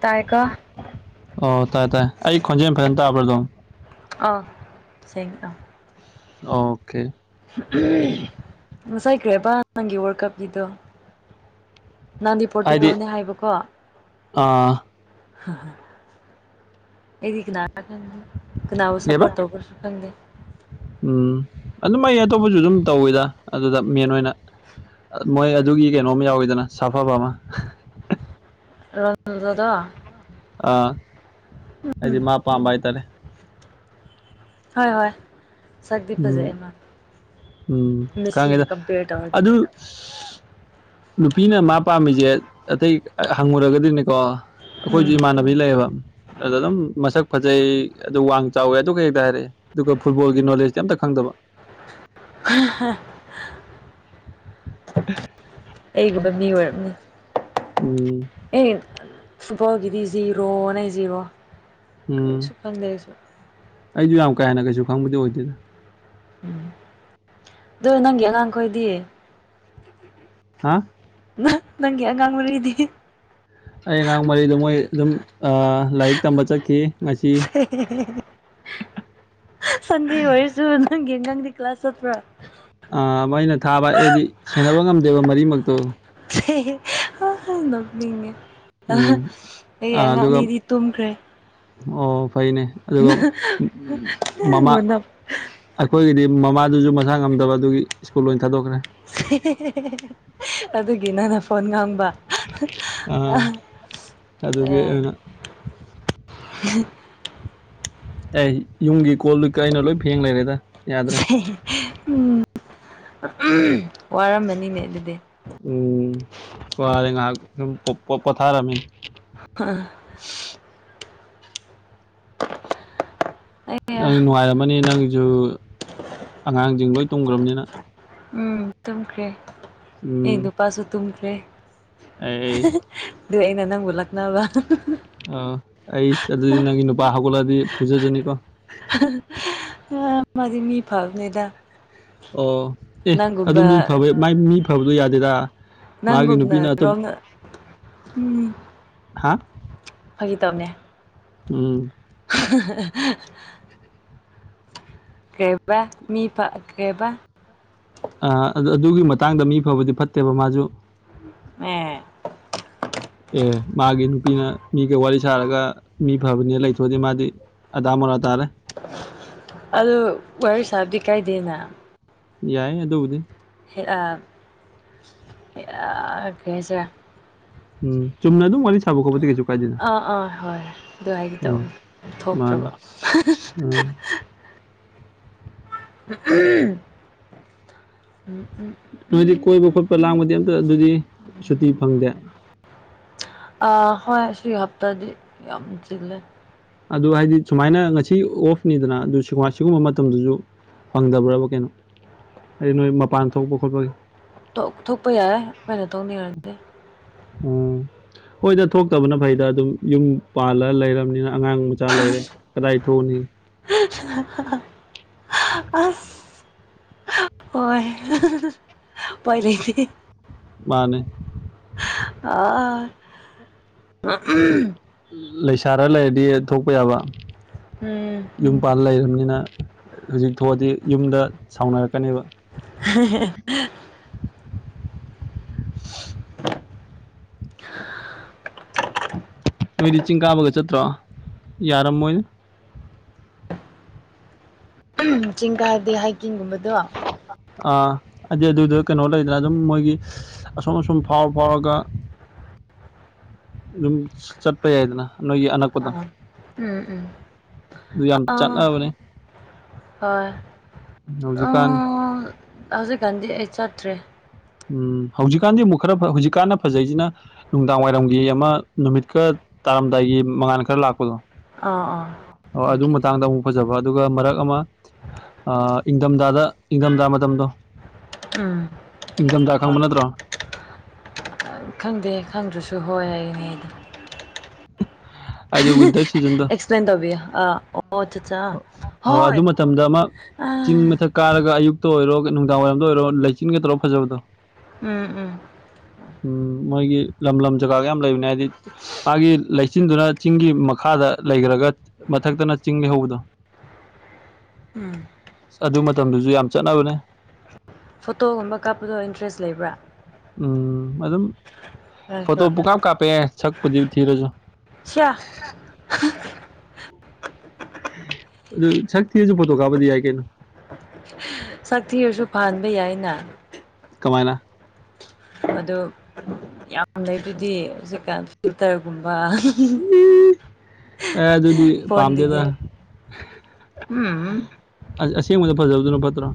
ꯇꯥꯏꯀꯣ ꯑꯣ ꯇꯥꯏ ꯇꯥꯏ ꯑꯩ ꯈꯣꯟꯖꯦꯜ ꯐꯖꯅ ꯇꯥꯕ꯭ꯔꯗꯣ ꯑꯥ ꯁꯦꯡ ꯑ ꯑꯣꯀꯦ ꯃꯁꯥꯏꯈ꯭ꯔꯦꯕ ꯅꯪꯒꯤ ꯋꯔꯥꯜ ꯀꯞꯒꯤꯗꯣ ꯅꯥꯟꯗꯤ ꯍꯥꯏꯗꯤ ꯄꯣꯔꯇꯨꯒꯜꯅꯦ ꯍꯥꯏꯕꯀꯣ ꯍ ꯑꯥ ꯍ ꯑꯦꯗꯤ ꯀꯅꯥ ꯔ ꯈꯪꯗ‌ꯦ ꯀꯅꯥꯕꯨ ꯀꯩꯕ ꯁꯄꯔ‌ꯣꯇ ꯊꯧꯕ ꯁꯨ ꯐꯪꯗꯦ ꯎꯝ ꯑꯗꯨꯝ ꯑꯩ ꯑꯇꯣꯞꯄꯖꯨ ꯑꯗꯨꯝ ꯇꯧꯋꯤꯗ ꯑꯗꯨꯗ ꯃꯦꯟ ꯑꯣꯏꯅ ꯃꯣꯏ ꯑꯗꯨꯒꯤ ꯀꯩꯅꯣꯝ ꯌꯥꯎꯋꯤꯗꯅ ꯁꯥꯐꯕ ꯑꯃ ꯔꯣꯟꯖꯗ‌ꯣ ꯑꯥ ꯑꯩꯗꯤ ꯃꯥ ꯄꯥꯝꯕ ꯍꯥꯏꯇꯥꯔꯦ ꯍꯣꯏ ꯍꯣꯏ ꯁꯛꯗꯤ ꯎꯝ ꯐꯖꯩ ꯑꯃ ꯎꯝ ꯃꯤꯁꯤꯕꯨ ꯈꯪꯉꯦꯗ ꯀꯝꯄꯦꯌꯔ ꯇꯧꯔꯗꯤ [inaudible] ꯅꯨꯄꯤꯅ ꯃꯥ ꯄꯥꯝꯃꯤꯖ‌ꯦ ꯑꯇꯩ ꯍꯪꯉꯨꯔꯒꯗꯤꯅꯤꯀꯣ ꯑꯩꯈꯣꯏꯖꯨ ꯎꯝ ꯏꯃꯥꯟꯅꯕ ꯕꯤꯂꯩꯑ‌ꯦꯕ ꯑꯗ ꯑꯗꯨꯝ ꯃꯁꯛ ꯐꯖꯩ ꯑꯗꯨ ꯋꯥꯡ ꯆꯥꯎꯋꯦ ꯑꯗꯨ ꯍꯦꯛꯇ ꯍꯥꯏꯔꯛꯑꯦ ꯑꯗꯨꯒ ꯐꯨꯠꯕꯣꯜꯒꯤ ꯅꯣꯂꯦꯖ ꯀꯩꯝꯇ ꯈꯪꯗꯕ [unintelligible] ꯑꯩꯒꯨꯝꯕ ꯃꯤ ꯑꯣꯏꯔꯝꯅꯤ ꯎꯝ ꯑꯦ ꯐꯨꯠꯕ‌ꯣꯜꯒꯤꯗꯤ ꯖꯤꯔꯣ ꯅ‌ꯦ ꯖꯤꯔꯣ ꯎꯝ ꯀꯔꯤꯁꯨ ꯈꯪꯗꯦ ꯑꯩꯁꯨ ꯑꯩꯖꯨ ꯌꯥꯝ ꯀꯥ ꯍꯦꯟꯅ ꯀꯩꯁꯨ ꯈꯪꯕꯗꯤ ꯑꯣꯏꯗ‌ꯦꯗ ꯑꯗꯨ ꯅꯪꯒꯤ ꯑꯉꯥꯡꯈꯣꯏꯗꯤ [inaudible] ꯍꯥꯥ ꯅ ꯅꯪꯒꯤ ꯑꯉꯥꯡ ꯃꯔꯤꯗꯤ ꯑꯩ ꯑꯉꯥꯡ ꯃꯔꯤꯗꯨ ꯃꯣꯏ ꯑꯗꯨꯝ ꯑ ꯂꯥꯏꯔꯤꯛ ꯇꯝꯕ ꯆꯠꯈꯤ ꯉꯁꯤ ꯁꯟꯗꯦ ꯑꯣꯏꯔꯁꯨ ꯅꯪꯒꯤ ꯅꯪꯗꯤ ꯀ꯭ꯂꯥꯁ ꯆꯠꯄ꯭ꯔꯥ ꯑꯥ ꯃꯩꯅ ꯊꯥꯕ ꯑꯩꯗꯤ ꯁꯦꯟꯅꯕ ꯉꯝꯗꯦꯕ ꯃꯔꯤꯃꯛꯇꯣ [unintelligible] ꯅ‌ꯣꯛꯅꯤꯡ ꯉ‌ꯦ ꯑꯍꯥ ꯎꯝ ꯑꯩ ꯑꯥ, ꯑꯉꯥꯡ ꯑꯗꯨꯒ ꯑꯅꯤꯗꯤ ꯇꯨꯝꯈ꯭ꯔꯦ ꯑꯣ ꯐꯩꯅꯦ ꯑꯗꯨꯒ ꯃꯃꯥ ꯅꯪꯉꯣꯟꯗ ꯑꯩꯈꯣꯏꯒꯤꯗꯤ ꯃꯃꯥꯗꯨꯁꯨ ꯃꯁꯥ ꯉꯝꯗꯕ ꯑꯗꯨꯒꯤ ꯁ꯭ꯀꯨꯜ ꯑꯣꯏꯅ ꯊꯥꯗꯣꯛꯈ꯭ꯔꯦ ꯑꯗꯨꯒꯤ ꯅꯪꯅ ꯐꯣꯟ ꯉꯥꯡꯕ ꯑꯥ, ꯑꯗꯨꯒꯤ ꯑꯩꯅ [unintelligible] ꯑꯩ ꯌꯨꯝꯒꯤ ꯀꯣꯜꯂꯤꯛꯀ ꯑꯩꯅ ꯂꯣꯏ ꯐꯦꯡ ꯂꯩꯔꯦꯗ ꯌꯥꯗ꯭ꯔꯦ ꯎꯝ ꯋꯥꯔꯝꯃꯅꯤꯅꯦ ꯑꯗꯨꯗꯤ ꯎꯝ ꯋꯥꯔꯦ ꯉꯥꯏꯍꯥꯛ ꯎꯝ ꯄꯣ ꯄꯣꯊꯥꯔꯝꯃꯤ ꯍꯥ ꯑꯩ ꯅꯪ ꯅꯨꯡꯉꯥꯏꯔꯝꯃꯅꯤ ꯅꯪꯒꯤꯁꯨ ꯑꯉꯥꯡꯖꯤꯡ ꯂꯣꯏ ꯇꯨꯝꯒ꯭ꯔꯅꯤꯅ ꯎꯝ ꯇꯨꯝꯈ꯭ꯔꯦ ꯑꯩ ꯎꯝ ꯅꯨꯄꯥꯁꯨ ꯇꯨꯝꯈ꯭ꯔꯦ ꯑꯩ ꯑꯗꯨ ꯑꯩꯅ ꯅꯪꯕꯨ ꯂꯛꯅꯕ ꯑ ꯑꯩ ꯑꯗꯨ ꯀ ꯅꯨꯄꯥ ꯁꯒ ꯍꯥꯏꯗꯤ ꯐꯣꯖꯦꯖꯅꯤ ꯀꯣ ꯑ ꯃꯥꯗꯤ ꯃꯤ ꯐꯥꯕꯅꯦꯗꯥ ꯑꯣ ꯑꯦ ꯑꯗꯨ ꯃꯤ ꯐꯕꯩ ꯃꯥꯏ ꯃꯤ ꯐꯕꯗꯣ ꯌꯥꯗꯦꯗ ꯃꯥꯒꯤ ꯅꯪꯒꯨꯝꯅ ꯅꯨꯄꯤꯅ ꯑꯇꯣꯞ ꯔꯣꯅ ꯎꯝ ꯍꯥ ꯐꯥꯒꯤ ꯇꯧꯕꯅꯦ ꯎꯝ [unintelligible] ꯀꯩꯕ ꯃꯤ ꯄ ꯀꯩꯕ ꯑ ꯑꯗꯨꯒꯤ ꯃꯇꯥꯡꯗ ꯃꯤ ꯐꯕꯗꯤ ꯐꯠꯇꯦꯕ ꯃꯥꯁꯨ ꯎꯝ [unintelligible] ꯑꯦ ꯃꯥꯒꯤ ꯅꯨꯄꯤꯅ ꯃꯤꯒ ꯋꯥꯔꯤ ꯁꯥꯔꯒ ꯃꯤ ꯐꯕꯅꯦ ꯂꯩꯊꯣꯛꯑꯗꯤ ꯃꯥꯗꯤ ꯑꯗꯃꯣꯔꯥ ꯇꯥꯥꯔꯦ ꯑꯗ ꯋꯥꯔ ꯁꯥꯕꯗꯤ ꯀꯥꯏꯗꯦꯅ ꯌꯥꯏ ꯑꯗꯨꯕꯨꯗꯤ ꯍꯦ ꯑ ꯍꯦ ꯑꯑ ꯀꯩ ꯍꯥꯏꯁꯤꯔ ꯎꯝ ꯆꯨꯝꯅ ꯑꯗꯨꯝ ꯋꯥꯔꯤ ꯁꯥꯕ ꯈꯣꯠꯄꯗꯤ ꯀꯩꯁꯨ ꯀꯥꯏꯗꯦꯅ ꯑꯥ ꯑꯥ ꯍꯣꯏ ꯑꯗꯨ ꯍꯥꯏꯒꯦ ꯎꯝ ꯇꯧꯕꯅꯦ ꯊꯣꯛꯇ꯭ꯔꯕ ꯃꯥꯅꯤ ꯎꯝ ꯎ ꯎꯝꯝ ꯎꯝ ꯎꯝ ꯑꯗꯨꯗꯤ ꯀꯣꯏꯕ ꯈꯣꯠꯄ ꯂꯥꯡꯕꯗꯤ ꯑꯝꯇ ꯑꯗꯨꯗꯤ ꯁꯨꯇꯤ ꯐꯪꯗꯦ ꯑ ꯍꯣꯏ ꯁꯤ ꯍꯞꯇꯥꯗꯤ ꯌꯥꯝ ꯆꯤꯜꯂꯦ ꯑꯗꯨ ꯍꯥꯏꯗꯤ ꯁꯨꯃꯥꯏꯅ ꯉꯁꯤ ꯑꯣꯐꯅꯤꯗꯅ ꯑꯗꯨ ꯁꯤꯒꯨꯝꯕ ꯃꯇꯝꯗꯁꯨ ꯐꯪꯗꯕ꯭ꯔꯕ ꯀꯩꯅꯣ ꯑꯩ ꯅꯣꯏ ꯃꯄꯥꯟ ꯊꯣꯛꯄ ꯈꯣꯠꯄꯒꯤ ꯊꯣꯛꯄ ꯌꯥꯏ ꯀꯩꯅꯣ ꯇꯧꯅꯤꯡꯔꯅꯤ ꯎꯝ ꯍꯣꯏꯗ ꯊꯣꯛꯇꯕꯅ ꯐꯩꯗ ꯑꯗꯨꯝ ꯌꯨꯝ ꯄꯥꯜꯂ ꯂꯩꯔꯕꯅꯤꯅ ꯑꯉꯥꯡ ꯃꯆꯥ ꯂꯩꯔꯦ ꯀꯗꯥꯏ ꯊꯧꯅꯤ ꯑꯁ ꯍꯣꯏ ꯄꯣꯏꯔꯁ ꯃꯥꯅꯦ ꯑ ꯂꯩꯁꯥꯔ ꯂꯩꯔꯗꯤ ꯊꯣꯛꯄ ꯌꯥꯕ ꯎꯝ ꯌꯨꯝ ꯄꯥꯟꯂ ꯂꯩꯔꯕꯅꯤꯅ ꯍꯧꯖꯤꯛ ꯊꯣꯛꯑꯗꯤ ꯌꯨꯝꯗ ꯁꯥꯎꯅꯔꯛꯀꯅꯦꯕ [unintelligible] ꯅꯣꯏꯗꯤ ꯆꯤꯡ ꯀꯥꯕꯒ ꯆꯠꯇ꯭ꯔꯣ ꯌꯥꯔꯝꯃꯣꯏꯅꯦ ꯎꯝ ꯆꯤꯡ ꯀꯔꯗꯤ ꯍꯥꯏꯛꯀꯤꯡꯒꯨꯝꯕꯗꯣ ꯑꯥ ꯑꯗꯨꯗꯤ ꯑꯗꯨꯗꯣ ꯀꯩꯅꯣ ꯂꯩꯗꯅ ꯑꯗꯨꯝ ꯃꯣꯏꯒꯤ ꯑꯁꯨꯝ ꯑꯁꯨꯝ ꯐꯥꯎꯔ ꯐꯥꯎꯔꯒ ꯑꯗꯨꯝ ꯆꯠꯄ ꯌꯥꯏꯗꯅ ꯅꯣꯏꯒꯤ ꯑꯅꯛꯄꯗꯣ ꯎꯝ ꯎꯝ ꯑꯗꯨ ꯌꯥꯝ ꯑꯥ ꯆꯠꯅꯕꯅꯦ ꯍꯣꯏ ꯍꯧꯖꯤꯛꯀꯥꯟ ꯑꯥ ꯍꯧꯖꯤꯛꯀꯥꯟꯗꯤ ꯑꯩ ꯆꯠꯇ꯭ꯔꯦ ꯎꯝ ꯍꯧꯖꯤꯛꯀꯥꯟꯗꯤ ꯑꯃꯨꯛ ꯈꯔ ꯍꯧꯖꯤꯛꯀꯥꯟꯗ ꯐꯖꯩꯁꯤꯅ ꯅꯨꯡꯗꯥꯡ ꯋꯥꯏꯔꯝꯒꯤ ꯑꯃ ꯅꯨꯃꯤꯠꯀ ꯇꯥꯔꯝꯗꯥꯏꯒꯤ ꯃꯉꯥꯟ ꯈꯔ ꯂꯥꯛꯄꯗꯣ ꯑꯥ ꯑꯥ ꯑꯣ ꯑꯗꯨ ꯑꯣꯀꯦ ꯃꯇꯥꯡꯗ ꯑꯃꯨꯛ ꯐꯖꯕ ꯑꯗꯨꯒ ꯃꯔꯛ ꯑꯃ ꯑ ꯏꯪꯊꯝꯊꯥꯗ ꯏꯪꯊꯝꯊꯥ ꯃꯇꯝꯗꯣ ꯎꯝ ꯏꯪꯊꯝꯊꯥ ꯈꯪꯕ ꯍꯣꯏ ꯅꯠꯇ꯭ꯔꯣ ꯈꯪꯗꯦ ꯈꯪꯗ꯭ꯔꯁꯨ ꯍꯣꯏ ꯑꯩꯅꯤꯗ ꯍꯥꯏꯗꯤ ꯋꯤꯟꯇꯔ ꯁꯤꯖꯟꯗꯣ ꯑꯦꯛꯁꯄ꯭ꯂꯦꯟ ꯇꯧꯕꯤꯌꯨ ꯑꯥ ꯑꯣ ꯑꯣ ꯆꯥꯆꯥ ꯍꯣꯏ ꯑꯗꯨ ꯃꯇꯝꯗ ꯑꯃ ꯑ ꯆꯤꯡ ꯃꯊꯛ ꯀꯥꯔꯒ ꯑꯌꯨꯛꯇ ꯑꯣꯏꯔꯣ ꯅꯨꯡꯗꯥꯡꯋꯥꯏꯔꯝꯗ ꯑꯣꯏꯔꯣ ꯂꯩꯆꯤꯟꯒ ꯇꯧꯔꯣ ꯐꯖꯕꯗꯣ ꯎꯝ ꯎꯝ ꯎꯝ ꯃꯣꯏꯒꯤ ꯂꯝ ꯂꯝ ꯖꯒꯥꯒ ꯌꯥꯝ ꯂꯩꯕꯅꯦ ꯍꯥꯏꯕꯗꯤ ꯃꯥꯒꯤ ꯂꯩꯆꯤꯟꯗꯨꯅ ꯆꯤꯡꯒꯤ ꯃꯈꯥꯗ ꯂꯩꯈ꯭ꯔꯒ ꯃꯊꯛꯇꯅ ꯆꯤꯡ ꯂꯩꯍꯧꯕꯗꯣ ꯎꯝ ꯑꯗꯨ ꯃꯇꯝꯗꯨꯁꯨ ꯌꯥꯝ ꯆꯠꯅꯕꯅꯦ ꯐꯣꯇꯣꯒꯨꯝꯕ ꯀꯥꯞꯄꯗꯣ ꯏꯟꯇꯔꯦꯁ ꯂꯩꯕ꯭ꯔꯥ ꯎꯝ ꯑꯗꯨꯝ ꯐꯣꯇꯣ ꯅꯪꯁꯨ ꯄꯨꯀꯥꯞ ꯀꯥꯞꯄꯦ ꯁꯛꯄꯨꯗꯤ ꯊꯤꯔꯖꯨ ꯁꯤꯌꯥ ꯑ ꯑꯗꯨ ꯁꯛ ꯊꯤꯔꯁꯨ ꯄꯣꯊꯣ ꯀꯥꯞꯄꯗꯤ ꯌꯥꯏ ꯀꯩꯅꯣ [unintelligible] ꯁꯛꯊꯤꯔꯁꯨ ꯐꯍꯟꯕ ꯌꯥꯏꯅ ꯀꯃꯥꯏꯅ ꯑꯗꯨ ꯌꯥꯝ ꯂꯩ ꯗꯨꯗꯤ ꯍꯧꯖꯤꯛꯀꯥꯟ ꯐꯤꯜꯇꯔꯒꯨꯝꯕ ꯎꯝ ꯑꯦ ꯑꯗꯨꯗꯤ ꯄꯝꯗꯦꯗ ꯎꯝ ꯑꯁ ꯑꯁꯦꯡꯕꯗ ꯐꯖꯕꯗꯨꯅ ꯐꯠꯇ꯭ꯔꯣ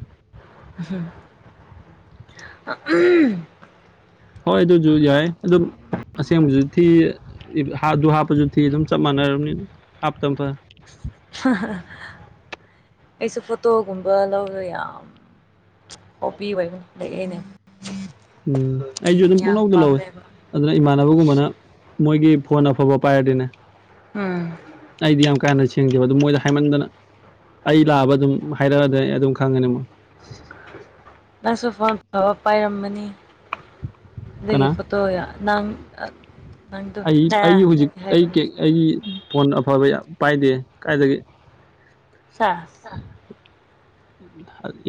ꯎ ꯍꯣꯏ ꯑꯗꯨꯁꯨ ꯌꯥꯏ ꯑꯗꯨꯝ ꯑꯁꯦꯡꯕꯁꯨ ꯊꯤ ꯍꯥꯞ ꯑꯗꯨ ꯍꯥꯞꯄꯁꯨ ꯊꯤ ꯑꯗꯨꯝ ꯆꯞ ꯃꯥꯟꯅꯔꯕꯅꯤꯅ ꯍꯥꯞꯇ ꯐꯔꯦ ꯑꯩꯁꯨ ꯐꯣꯇꯣꯒꯨꯝꯕ ꯂꯧꯔꯣ ꯌꯥꯝ ꯍꯣꯕꯤ [unintelligible] ꯂꯩꯌꯦꯅꯦ ꯎꯝ ꯑꯩꯁꯨ ꯑꯗꯨꯝ ꯄꯨꯂꯧꯗ ꯂꯧꯋꯦ ꯑꯗꯨꯅ ꯏꯃꯥꯟꯅꯕꯒꯨꯝꯕꯅ ꯃꯣꯏꯒꯤ ꯐꯣꯟ ꯑꯐꯕ ꯄꯥꯏꯔꯗꯤꯅꯦ ꯎꯝ ꯑꯩꯗꯤ ꯌꯥꯝ ꯀꯥꯏꯅ ꯊꯦꯡꯖꯕ ꯑꯗꯨꯝ ꯃꯣꯏꯗ ꯍꯥꯏꯃꯟꯗꯅ ꯑꯩ ꯂꯥꯛꯑꯕ ꯑꯗꯨꯝ ꯍꯥꯏꯔꯛꯑꯗꯤ ꯑꯗꯨꯝ ꯈꯪꯉꯅꯤ ꯃꯣꯏ ꯅꯪꯁꯨ ꯐꯣꯟ ꯐꯕ ꯄꯥꯏꯔꯃꯅꯤ ꯑꯗꯒꯤ ꯀꯅꯥ ꯐꯣꯇꯣ ꯅꯪ ꯅꯪꯗꯣ ꯑꯩ ꯑ ꯑꯩꯒꯤ ꯍꯧꯖꯤꯛ ꯑꯩ ꯀꯦꯛ ꯍꯥꯏꯕꯅꯦ ꯑꯩꯒꯤ ꯐꯣꯟ ꯑꯐꯕ ꯌꯥꯝ ꯄꯥꯏꯗꯦ ꯀꯥꯏꯗꯒꯤ ꯁꯥ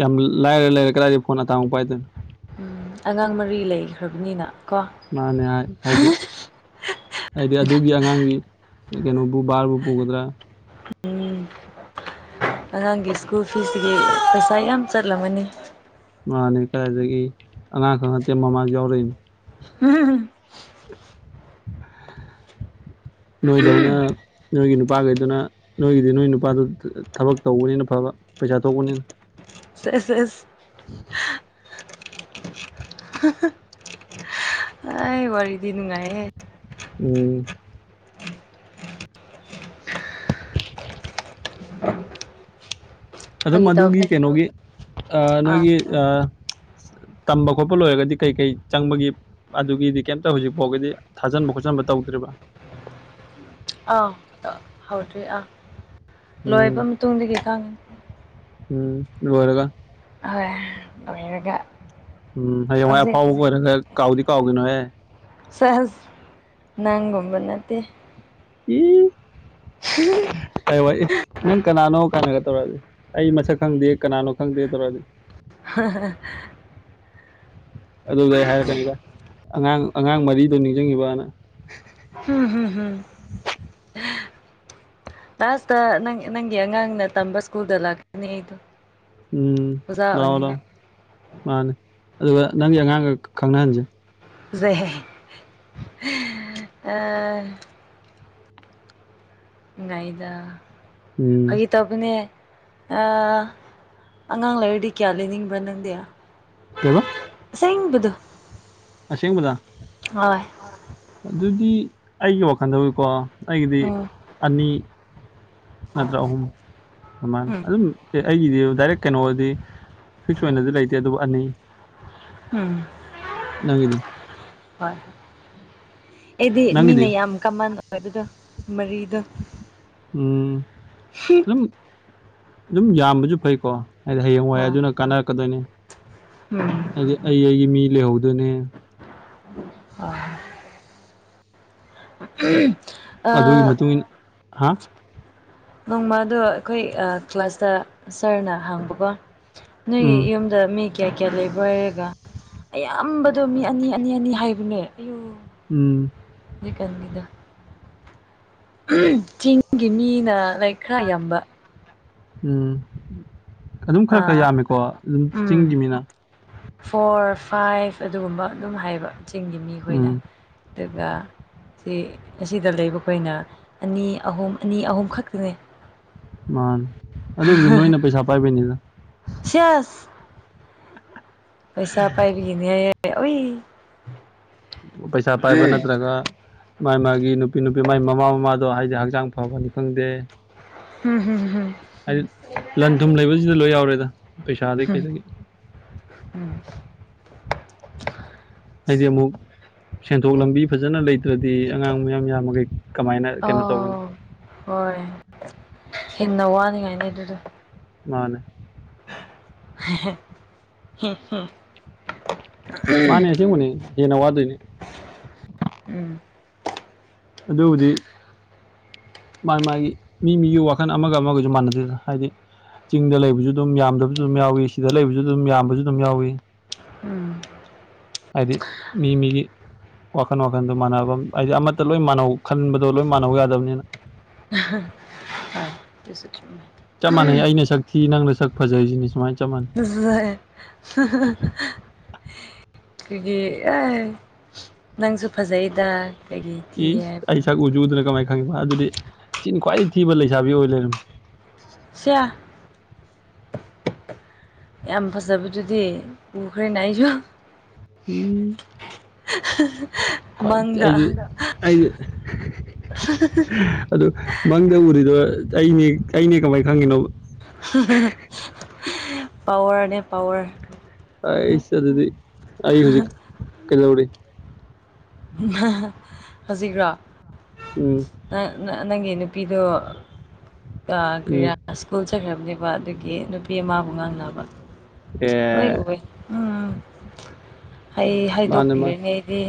ꯌꯥꯝ ꯂꯥꯏꯔꯦ ꯂꯩꯔꯦ ꯀꯗꯥꯏꯗ ꯐꯣꯟ ꯑꯇꯥꯡ ꯑꯃꯨꯛ ꯄꯥꯏꯗꯣꯏꯅꯣ ꯎꯝ ꯑꯉꯥꯡ ꯃꯔꯤ ꯂꯩꯈ꯭ꯔꯕꯅꯤꯅ ꯀꯣ ꯃꯥꯅꯦ ꯍꯥꯏ ꯍꯥꯏꯗꯤ ꯍꯥꯏꯗꯤ ꯑꯗꯨꯒꯤ ꯑꯉꯥꯡꯒꯤ ꯀꯩꯅꯣꯕꯨ ꯕꯥꯔꯕꯨ ꯄꯨꯒꯗ꯭ꯔꯥ ꯎꯝ ꯑꯉꯥꯡꯒꯤ ꯁ꯭ꯀꯨꯜ ꯐꯤꯒꯤ ꯄꯩꯁꯥ ꯌꯥꯝ ꯆꯠꯂꯝꯒꯅꯤ ꯃꯥꯅꯦ ꯀꯗꯥꯗꯒꯤ ꯑꯉꯥꯡ ꯈꯛ ꯅꯠꯇꯦ ꯃꯃꯥꯁꯨ ꯌꯥꯎꯔꯛꯏꯅꯝ ꯍꯝ ꯍꯝ ꯅꯣꯏꯗꯧꯅ ꯅꯣꯏꯒꯤ ꯅꯨꯄꯥꯈꯩꯗꯨꯅ ꯅꯣꯏꯒꯤꯗꯤ ꯅꯣꯏ ꯅꯨꯄꯥꯗꯨ ꯊꯕꯛ ꯇꯧꯕꯅꯤꯅ ꯐꯕ ꯄꯩꯁꯥ ꯊꯣꯛꯄꯅꯤꯅ ꯁꯁ [unintelligible] ꯍ ꯍ ꯑꯩ ꯋꯥꯔꯤꯗꯤ ꯅꯨꯉꯥꯏꯍꯦ ꯎꯝ ꯑꯗꯨꯝ ꯐꯥꯒꯤ ꯇꯧꯕꯅꯦ ꯑꯗꯨꯒꯤ ꯀꯩꯅꯣꯒꯤ ꯑꯥ ꯅꯣꯏꯒꯤ ꯑꯥ ꯇꯝꯕ ꯈꯣꯠꯄ ꯂꯣꯏꯔꯒꯗꯤ ꯀꯩ ꯀꯩ ꯆꯪꯕꯒꯤ ꯑꯗꯨꯒꯤꯗꯤ ꯀꯦꯝꯇ ꯍꯨꯖꯤꯛ ꯐꯥꯎꯒꯤꯗꯤ ꯊꯥꯖꯟꯕ ꯈꯣꯠꯆꯟꯕ ꯇꯧꯗ꯭ꯔꯤꯕꯥ ꯑꯥꯎ ꯑ ꯍꯧꯗ꯭ꯔꯤ ꯑꯥ ꯂꯣꯏꯕ ꯎꯝ ꯃꯇꯨꯡꯗꯒꯤ ꯈꯪꯉꯤ ꯎꯝ ꯂꯣꯏꯔꯒ ꯍꯣꯏ ꯂꯣꯏꯔꯒ ꯎꯝ ꯍꯌꯦꯡꯋꯥꯏ ꯍꯧꯖꯤꯛ ꯑꯐꯥꯎꯕꯒ ꯍꯧꯖꯤꯛ ꯑꯣꯏꯔꯒ ꯀꯥꯎꯗꯤ ꯀꯥꯎꯒꯤꯅꯣꯍꯦ ꯁꯍꯖ ꯅꯪꯒꯨꯝꯕ ꯅꯠꯇꯦ ꯏꯏ [unintelligible] ꯍꯌꯦꯡ ꯋꯥꯏ ꯏꯁ ꯅꯪ ꯀꯅꯥꯅꯣ ꯀꯥꯏꯅꯒ ꯇꯧꯔꯛꯑꯗꯤ ꯑꯩ ꯃꯁꯛ ꯈꯪꯗꯦ ꯀꯅꯥꯅꯣ ꯈꯪꯗꯦ ꯇꯧꯔꯛꯑꯗꯤ ꯍ ꯍ ꯍꯍ ꯑꯗꯨꯗꯤ ꯑꯩ ꯍꯥꯏꯔꯛꯀꯅꯤꯗ ꯑꯉꯥꯡ ꯑꯉꯥꯡ ꯃꯔꯤꯗꯣ ꯅꯤꯡꯖꯡꯉꯤꯕꯅ ꯍꯨꯝ ꯍꯨꯝ ꯍꯨꯝ ꯂꯥꯁꯇ ꯅꯪ ꯅꯪꯒꯤ ꯑꯉꯥꯡꯅ ꯇꯝꯕ ꯁ꯭ꯀꯨꯜꯗ ꯂꯥꯛꯀꯅꯤ ꯑꯩꯗꯣ ꯎꯝ ꯑꯣꯖꯥ ꯂꯥꯛꯑꯣ ꯑꯣꯏꯅꯤꯡꯉꯥꯏ ꯂꯥꯛꯑꯣ ꯃꯥꯅꯤ ꯑꯗꯨꯒ ꯅꯪꯒꯤ ꯑꯉꯥꯡꯒ ꯈꯪꯅꯍꯟꯖꯦ ꯐꯖꯩꯍꯦ ꯍꯦ ꯑꯥ ꯅꯨꯡꯉꯥꯏꯗ ꯎꯝ ꯇꯕꯅꯦ ꯑꯥ ꯑꯉꯥꯡ ꯂꯩꯔꯗꯤ ꯀꯌꯥ ꯂꯩꯅꯤꯡꯕ꯭ꯔ ꯅꯪꯗꯤ ꯀꯩꯕ ꯑꯁꯦꯡꯕꯗꯨ ꯑꯁꯦꯡꯕꯗ ꯍꯣꯏ ꯑꯗꯨꯗꯤ ꯑꯩꯒꯤ ꯋꯥꯈꯜꯗꯕꯨꯀꯣ ꯑꯩꯒꯤꯗꯤ ꯎꯝ ꯑꯅꯤ ꯅꯠꯇ꯭ꯔ ꯑꯍꯨꯝ ꯑꯗꯨꯃꯥꯏꯅ ꯎꯝ ꯑꯗꯨꯝ ꯑꯦ ꯑꯩꯒꯤꯗꯤ ꯗꯥꯏꯔꯦꯛ ꯀꯩꯅꯣꯗꯤ ꯐꯤꯛꯁ ꯑꯣꯏꯅꯗꯤ ꯂꯩꯇꯦ ꯑꯗꯨꯕꯨ ꯑꯅꯤ ꯍꯨꯝ ꯅꯪꯒꯤꯗꯤ ꯍꯣꯏ ꯍꯣꯏ ꯑꯩꯗꯤ ꯃꯤꯅ ꯅꯪꯒꯤꯗꯤ ꯌꯥꯝ ꯀꯃꯟ ꯑꯣꯏꯕꯗꯣ ꯃꯔꯤꯗꯣ ꯎꯝ ꯑꯗꯨꯝ ꯑꯗꯨꯝ ꯌꯥꯝꯕꯖꯨ ꯐꯩꯀꯣ ꯍꯥꯏꯗꯤ ꯍꯌꯦꯡ ꯋꯥꯏ ꯑꯥ ꯑꯗꯨꯅ ꯀꯥꯟꯅꯔꯛꯀꯗꯣꯏꯅꯤ ꯎꯝ ꯍꯥꯏꯗꯤ ꯑꯩ ꯑꯩꯒꯤ ꯃꯤ ꯂꯩꯍꯧꯗꯣꯏꯅꯦ ꯑꯥ ꯎꯝ ꯃꯗꯨꯒꯤ ꯃꯇꯨꯡ ꯏꯟꯅ ꯍꯥ ꯅꯣꯡꯃꯗꯣ ꯑꯩꯈꯣꯏ ꯑꯥ ꯀ꯭ꯂꯥꯁꯇ ꯁꯥꯔꯅ ꯍꯪꯕꯀꯣ ꯅꯣꯏꯒꯤ ꯎꯝ ꯌꯨꯝ ꯗ ꯃꯤ ꯀꯌꯥ ꯀꯌꯥ ꯂꯩꯕ꯭ꯔꯣ ꯍꯥꯏꯔꯒ ꯑꯌꯥꯝꯕꯗꯨ ꯃꯤ ꯑꯅꯤ ꯑꯅꯤ ꯑꯅꯤ ꯍꯥꯏꯕꯅꯦ ꯑꯌꯣ ꯎꯝ ꯖꯤꯛꯀꯥꯟꯒꯤꯗꯣ ꯎꯝ ꯆꯤꯡꯒꯤ ꯃꯤꯅ ꯂꯥꯏꯛ ꯈꯔ ꯌꯥꯝꯕ ꯎꯝ ꯑꯗꯨꯝ ꯈꯔ ꯈꯔ ꯑꯥ ꯌꯥꯝꯃꯤꯀꯣ ꯑꯗꯨꯝ ꯎꯝ ꯆꯤꯡꯒꯤ ꯃꯤꯅ ꯐꯣꯔ ꯐꯥꯏꯚ ꯑꯗꯨꯒꯨꯝꯕ ꯑꯗꯨꯝ ꯍꯥꯏꯕ ꯆꯤꯡꯒꯤ ꯃꯤꯈꯣꯏꯅ ꯎꯝ ꯑꯗꯨꯒꯥ ꯁꯤ ꯑꯁꯤꯗ ꯂꯩꯕ ꯑꯩꯈꯣꯏꯅ ꯑꯅꯤ ꯑꯍꯨꯝ ꯑꯅꯤ ꯑꯍꯨꯝ ꯈꯛꯇꯅꯦ ꯃꯥꯅꯦ ꯑꯗꯨꯕꯨꯗꯤ ꯅꯣꯏꯅ ꯄꯩꯁꯥ ꯄꯥꯏꯕꯩꯅꯤꯗ ꯁꯦꯁ ꯄꯩꯁꯥ ꯄꯥꯏꯕꯤꯒꯤꯅꯦ ꯑꯣꯏ ꯄꯩꯁꯥ ꯄꯥꯏꯕ ꯅꯠꯇ꯭ꯔꯒ ꯃꯥꯏ ꯃꯥꯒꯤ ꯅꯨꯄꯤ ꯅꯨꯄꯤ ꯃꯥꯏ ꯃꯃꯥ ꯃꯃꯥꯗꯣ ꯍꯥꯏꯗꯤ ꯍꯛꯆꯥꯡ ꯐꯕꯅꯤ ꯈꯪꯗꯦ ꯍꯝ ꯍꯝ [unintelligible] ꯍꯥꯏꯗꯤ ꯂꯟ ꯊꯨꯝ ꯂꯩꯕꯁꯤꯗ ꯂꯣꯏ ꯌꯥꯎꯔꯦꯗ ꯄꯩꯁꯥꯗꯒꯤ ꯀꯩꯗꯒꯤ ꯎꯝ [unintelligible] ꯍꯥꯏꯗꯤ ꯑꯃꯨꯛ ꯁꯦꯟꯊꯣꯛ ꯂꯝꯕꯤ ꯐꯖꯅ ꯂꯩꯇ꯭ꯔꯗꯤ ꯑꯉꯥꯡ ꯃꯌꯥꯝ ꯌꯥꯝꯃꯒꯩ ꯑꯣ ꯍꯣꯏ ꯍꯦꯟꯅ ꯋꯥꯅꯤꯡꯉꯥꯏꯅꯤ ꯑꯗꯨꯗ ꯃꯥꯅꯦ [unintelligible] ꯃꯥꯟꯅꯦ ꯑꯁꯦꯡꯕꯅꯦ ꯍꯦꯟꯅ ꯋꯥꯘꯣꯢꯅꯦ ꯎꯝ ꯑꯗꯨꯕꯨꯗꯤ ꯃꯥꯒꯤ ꯃꯥꯒꯤ ꯃꯤ ꯃꯤꯒꯤ ꯋꯥꯈꯜ ꯑꯃꯒ ꯑꯃꯒꯁꯨ ꯃꯥꯟꯅꯗꯦꯅ ꯍꯥꯏꯗꯤ ꯆꯤꯡꯗ ꯂꯩꯕꯁꯨ ꯑꯗꯨꯝ ꯌꯥꯝꯗꯕꯁꯨ ꯑꯗꯨꯝ ꯌꯥꯎꯏꯤ ꯁꯤꯗ ꯂꯩꯕꯁꯨ ꯑꯗꯨꯝ ꯌꯥꯝꯕꯁꯨ ꯑꯗꯨꯝ ꯌꯥꯎꯏ ꯎꯝ ꯍꯥꯏꯗꯤ ꯃꯤ ꯃꯤꯒꯤ ꯋꯥꯈꯜ ꯋꯥꯈꯟꯗꯣ ꯃꯥꯟꯅꯕ ꯍꯥꯏꯗꯤ ꯑꯃꯠꯇ ꯂꯣꯏ ꯃꯥꯟꯅꯧ ꯈꯟꯕꯗꯣ ꯂꯣꯏ ꯃꯥꯟꯅꯧ ꯌꯥꯗꯕꯅꯤꯅ [unintelligible] [unintelligible] ꯆꯞ ꯃꯥꯟꯅꯩ ꯑꯩꯅ ꯁꯛ ꯊꯤ ꯅꯪꯅ ꯁꯛ ꯐꯖꯩ ꯁꯤꯅꯤ ꯁꯨꯃꯥꯏꯅ ꯆꯞ ꯃꯥꯟꯅꯩ [unintelligible] ꯑꯩꯈꯣꯏꯒꯤ ꯑꯦ ꯅꯪꯁꯨ ꯐꯖꯩꯌꯦꯗ ꯏꯁ ꯑꯩ ꯁꯛ ꯎꯖꯨꯗꯅ ꯀꯃꯥꯏꯅ ꯈꯪꯉꯤꯕ ꯑꯗꯨꯗꯤ ꯏꯆꯤꯟ ꯈ꯭ꯋꯥꯏ ꯊꯤꯕ ꯂꯩꯁꯥꯕꯤ ꯑꯣꯏ ꯂꯩꯔꯝꯃꯤ ꯁꯤꯌꯥ ꯌꯥꯝ ꯐꯖꯕꯗꯨꯗꯤ ꯎꯈ꯭ꯔꯦꯅ ꯑꯩꯁꯨ ꯎꯝ [inaudible] [unintelligible] [unintelligible] ꯃꯪꯗ ꯑꯩꯗꯤ ꯑꯩꯗꯤ [unintelligible] ꯑꯗꯨ ꯃꯪꯗ ꯎꯔꯤꯗꯣ ꯑꯩꯅꯦ ꯑꯩꯅꯦ ꯀꯃꯥꯏꯅ ꯈꯪꯒꯤꯅꯣ [unintelligible] ꯄꯋꯥꯔꯅꯦ ꯄꯋꯥꯔ ꯑꯩꯁ ꯑꯗꯨꯗꯤ ꯑ ꯍꯧꯖꯤꯛ ꯀꯩꯅꯧꯔ ꯍꯧꯖꯤꯂꯣ ꯎꯝ ꯅꯪꯒꯤ ꯅꯨꯄꯤꯗꯨ ꯎꯝ ꯀꯔꯤꯌꯥ ꯁ꯭ꯀꯨꯜ ꯆꯠꯈ꯭ꯔꯕꯅꯦꯕ ꯑꯗꯨꯒꯤ ꯅꯨꯄꯤ ꯑꯃꯕꯨ ꯉꯥꯡꯅꯕ ꯑꯦ ꯂꯣꯏ ꯑꯣꯏ ꯎꯝ ꯍ ꯃꯥꯅꯦ ꯍꯥꯏꯗꯣꯛꯄꯤꯔ ꯃꯥꯅꯦ ꯑꯩꯗꯤ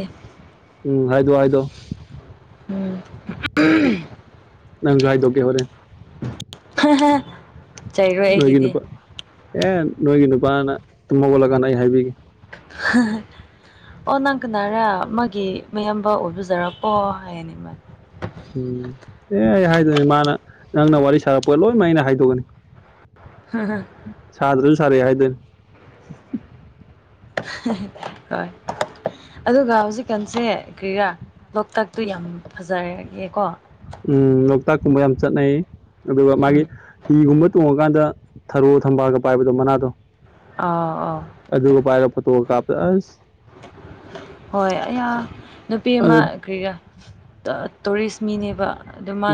ꯎꯝ ꯍꯥꯏꯗꯣ ꯍꯥꯏꯗꯣ ꯎꯝ [unintelligible] ꯅꯪꯁꯨ ꯍꯥꯏꯗꯣꯛꯀꯦ ꯍꯣꯔꯦꯟ [unintelligible] ꯆꯩꯔꯣꯏ ꯅꯣꯏꯒꯤ ꯑꯩꯒꯤꯗꯤ ꯅꯨꯄꯥ ꯑꯦ ꯅꯣꯏꯒꯤ ꯅꯨꯄꯥꯅ ꯇꯨꯝꯃꯒꯠꯂꯀꯥꯟꯗ ꯑꯩ ꯍꯥꯏꯕꯤꯒꯦ [unintelligible] ꯑꯣ ꯅꯪ ꯀꯅꯥꯔꯦ ꯃꯥꯒꯤ ꯃꯌꯥꯝꯕ ꯑꯣꯏꯕꯤꯖꯔꯄꯣ ꯍꯥꯏꯅꯤ ꯃꯥꯅꯦ ꯎꯝ ꯑꯦ ꯑꯩ ꯍꯥꯏꯗꯣꯏꯅꯦ ꯃꯥꯅ ꯅꯪꯅ ꯋꯥꯔꯤ ꯁꯥꯔꯛꯄ ꯂꯣꯏꯅꯃꯛ ꯑꯩꯅ ꯍꯥꯏꯗꯣꯛꯒꯅꯤ [unintelligible] ꯁꯥꯗ꯭ꯔꯖꯨ ꯁꯔꯦ ꯍꯥꯏꯗꯣꯏꯅꯤ ꯍꯣꯏ ꯑꯗꯨꯒ ꯍꯧꯖꯤꯛꯀꯥꯟꯁꯦ ꯀꯔꯤꯔꯥ ꯂꯣꯛꯇꯥꯛꯇꯨ ꯌꯥꯝ ꯐꯖꯔꯒꯦꯀꯣ ꯎꯝ ꯂꯣꯛꯇꯥꯛꯀꯨꯝꯕ ꯌꯥꯝ ꯆꯠꯅꯩ ꯑꯗꯨꯒ ꯃꯥꯒꯤ ꯎꯝ ꯍꯤꯒꯨꯝꯕ ꯇꯣꯡꯉꯀꯥꯟꯗ ꯊꯔꯣ ꯊꯝꯕꯥꯜꯒ ꯄꯥꯏꯕꯗꯣ ꯃꯅꯥꯗꯣ ꯑꯥ ꯑꯥꯎ ꯑꯗꯨꯒ ꯄꯥꯏꯔꯒ ꯐꯣꯇꯣꯒ ꯀꯥꯞꯄ ꯑꯁ ꯍꯣꯏ ꯑꯌꯥ ꯅꯨꯄꯤ ꯑꯃ ꯑꯗꯨ ꯀꯔꯤꯔꯥ ꯇꯨꯔꯤꯁ ꯃꯤꯅꯦꯕ ꯑꯗꯨ ꯃꯥꯅ